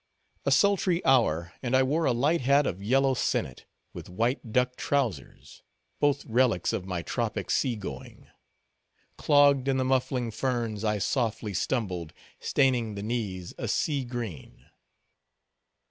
A sultry hour, and I wore a light hat, of yellow sinnet, with white duck trowsers—both relics of my tropic sea going. Clogged in the muffling ferns, I softly stumbled, staining the knees a sea green.